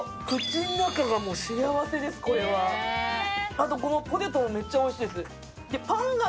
あとポテトもめっちゃおいしいです。